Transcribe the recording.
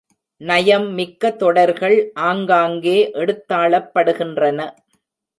நயம் மிக்க தொடர்கள் ஆங்காங்கே எடுத்தாளப் படுகின்றன.